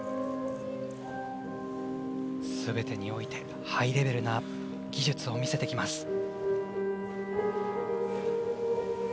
すべてにおいて、ハイレベルな技術を見せてきます。